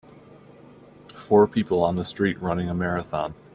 four people on the street running a marathon.